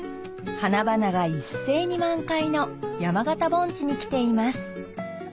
花々が一斉に満開の山形盆地に来ています